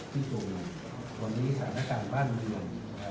ที่วันนี้สถานการณ์บ้านเรียง